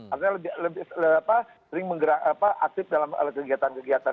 artinya lebih sering aktif dalam kegiatan kegiatan